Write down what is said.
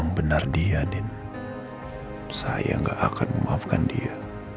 karena dia sudah mencoba membunuh mama saya